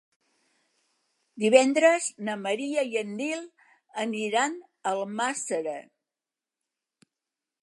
Divendres na Maria i en Nil aniran a Almàssera.